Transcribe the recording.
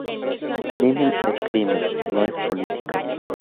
Crimen es crimen, no es política".